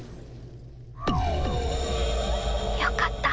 よかった。